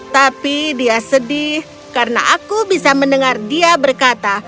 tapi dia sedih karena aku bisa mendengar dia berkata